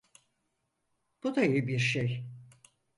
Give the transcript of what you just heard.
Bu da iyi bir şey.